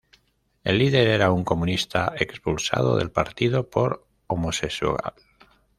El líder era un comunista expulsado del partido por homosexual.